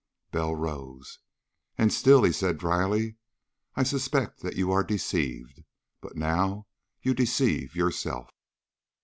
Bell rose. "And still," he said dryly, "I suspect that you are deceived. But now you deceive yourself."